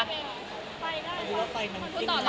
ได้ไหมคะ